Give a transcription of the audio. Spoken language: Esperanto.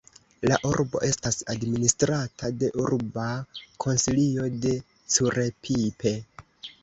La urbo estas administrata de Urba Konsilio de Curepipe.